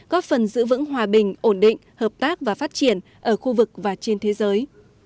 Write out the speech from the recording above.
góp phần giữ vững hòa bình ổn định hợp tác và phát triển ở khu vực và trên thế giới